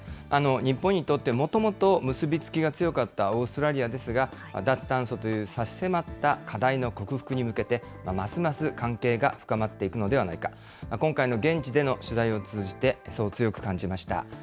日本にとって、もともと結び付きが強かったオーストラリアですが、脱炭素という差し迫った課題の克服に向けて、ますます関係が深まっていくのではないか、今回の現地での取材を通じて、そう強く感じました。